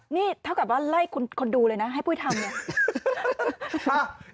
นี่เท่ากับว่าไล่คนดูเลยนะให้ปุ้ยทำเนี่ย